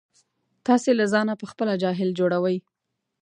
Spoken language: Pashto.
تاسې له ځانه په خپله جاهل جوړوئ.